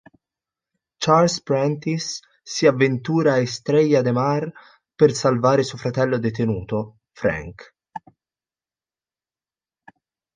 Charles Prentice si avventura a Estrella de Mar per salvare suo fratello detenuto, Frank.